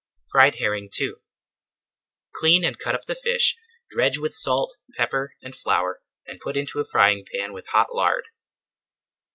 FRIED HERRING II Clean and cut up the fish, dredge with salt, pepper, and flour, and put into a frying pan with hot lard.